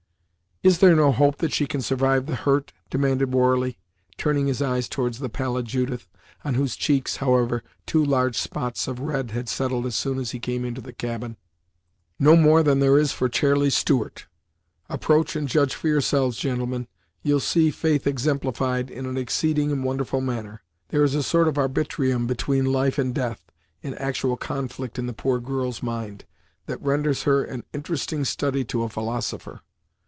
"Is there no hope that she can survive the hurt?" demanded Warley, turning his eyes towards the pallid Judith, on whose cheeks, however, two large spots of red had settled as soon as he came into the cabin. "No more than there is for Chairlie Stuart! Approach and judge for yourselves, gentlemen; ye'll see faith exemplified in an exceeding and wonderful manner. There is a sort of arbitrium between life and death, in actual conflict in the poor girl's mind, that renders her an interesting study to a philosopher.